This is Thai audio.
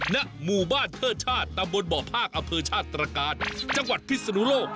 ณหมู่บ้านเทิดชาติตำบลบ่อภาคอำเภอชาติตรการจังหวัดพิศนุโลก